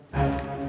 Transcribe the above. cunningnya sama ini